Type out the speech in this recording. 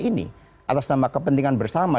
ini atas nama kepentingan bersama